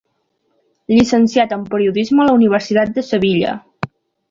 Llicenciat en periodisme a la Universitat de Sevilla.